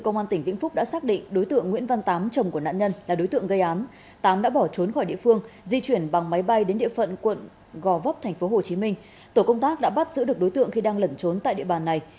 công an tỉnh vĩnh phúc đã xác định đối tượng nguyễn văn tám chồng của nạn nhân là đối tượng gây án tám đã bỏ trốn khỏi địa phương di chuyển bằng máy bay đến địa phận quận gò vấp tp hcm tổ công tác đã bắt giữ được đối tượng khi đang lẩn trốn tại địa bàn này